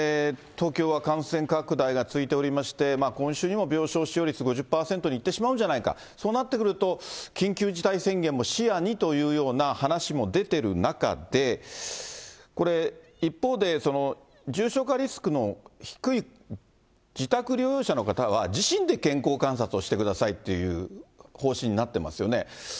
東京は感染拡大が続いておりまして、今週にも病床使用率５０％にいってしまうんじゃないか、そうなってくると、緊急事態宣言も視野にというような話も出てる中で、一方で、重症化リスクの低い自宅療養者の方は、自身で健康観察をしてくださいという方針になってますよね。